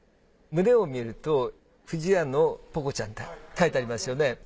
胸を見ると「不二家のポコちゃん」って書いてありますよね。